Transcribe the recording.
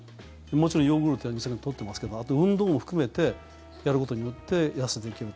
もちろん、ヨーグルトや乳酸菌取ってますけどあと、運動も含めてやることによって痩せていける。